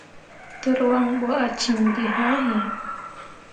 Tǝrwaŋ bo ah cin gi haa yĩĩ.